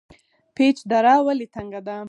پیج دره ولې تنګه ده؟